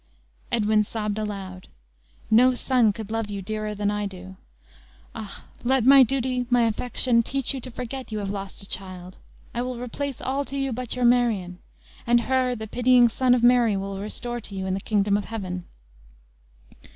Edwin sobbed aloud. "No son could love you dearer than I do. Ah, let my duty, my affection, teach you to forget you have lost a child. I will replace all to you but your Marion; and her, the pitying Son of Mary will restore to you in the kingdom of heaven."